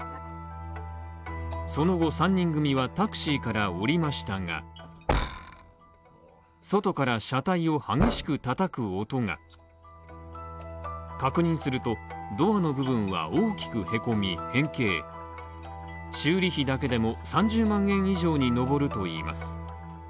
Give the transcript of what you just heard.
その後、３人組はタクシーから降りましたが、外から車体を激しく叩く音が確認すると、ドアの部分は大きくへこみ、変形修理費だけでも３０万円以上にのぼるといいます